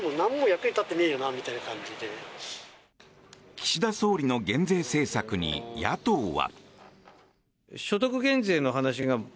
岸田総理の減税政策に野党は。